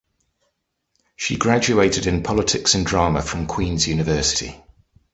She graduated in politics and drama from Queen's University.